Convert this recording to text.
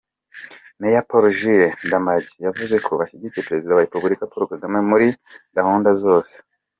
Mayor Paul Jules Ndamage yavuzeko bashyigikiye Perezida wa Repubulika Paul Kagame muri gahunda zose.